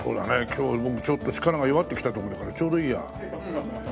今日僕ちょっと力が弱ってきたとこだからちょうどいいや。